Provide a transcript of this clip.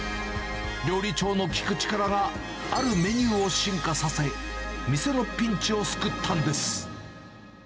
料理長の聞く力があるメニューを進化させ、店のピンチを救ったんです。